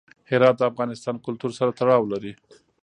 هرات د افغان کلتور سره تړاو لري.